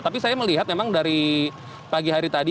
tapi saya melihat memang dari pagi hari tadi